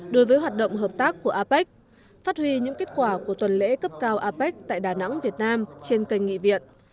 đối với hoạt động hợp tác của apec phát huy những kết quả của tuần lễ cấp cao apec tại đà nẵng việt nam trên kênh nghị viện